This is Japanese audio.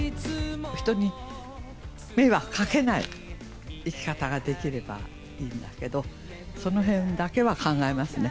人に迷惑かけない生き方ができればいいんだけど、そのへんだけは考えますね。